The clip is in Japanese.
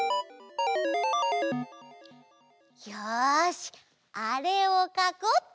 よしあれをかこうっと！